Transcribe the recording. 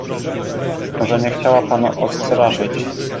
"Może nie chciała pana odstraszyć."